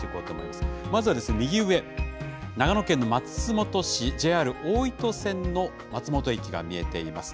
まずは右上、長野県の松本市、ＪＲ大糸線の松本駅が見えています。